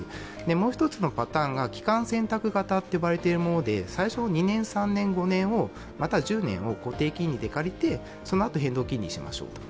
もう一つのパターンが期間選択型と呼ばれているもので２年、３年、５年、または１０年を固定金利で借りてそのあと変動金利にしましょうと。